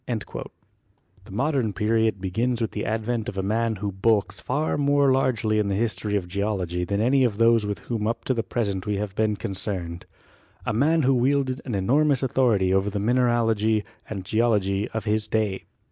"* The Modern Period begins with the advent of a man who bulks far more largely in the history of Geology than any of those with whom up to the present we have been concerned — a man who wielded an enormous authority over the mineralogy and geology of his day.